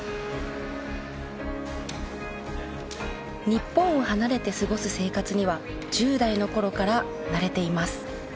日本を離れて過ごす生活には１０代の頃から慣れています。